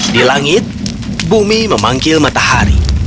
di langit bumi memanggil matahari